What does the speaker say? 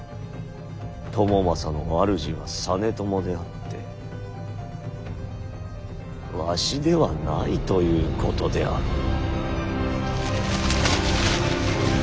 朝雅の主は実朝であってわしではないということであろう。